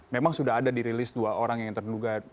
memang sudah ada di rilis dua orang yang terduga